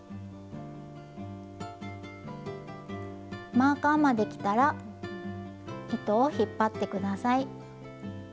マーカーまできたら糸を引っ張って下さい。